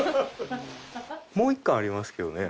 もう一貫ありますけどね。